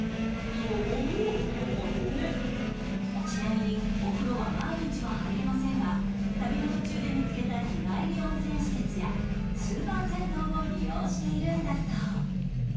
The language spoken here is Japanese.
ちなみにお風呂は毎日は入れませんが旅の途中で見つけた日帰り温泉施設やスーパー銭湯を利用しているんだそう